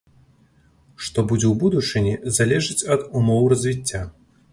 Што будзе ў будучыні, залежыць ад умоў развіцця.